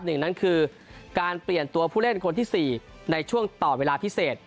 หนึ่งนั้นคือการเปลี่ยนตัวผู้เล่นคนที่๔ในช่วงต่อเวลาพิเศษ